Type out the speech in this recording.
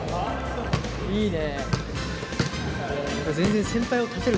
いいね。